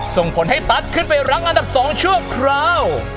ส่งผลให้ตั๊ดขึ้นไปรั้งอันดับ๒ชั่วคราว